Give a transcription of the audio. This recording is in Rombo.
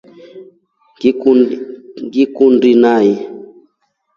Ngikukundi nai.